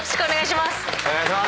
お願いします。